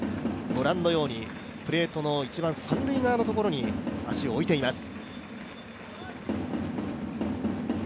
ご覧のようにプレートの一番、三塁側のところに足を置いています。